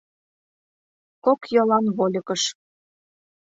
Кок йолан вольыкыш.